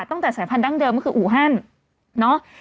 ตั้งแต่สายพันธั้งเดิมก็คืออูฮันเนาะ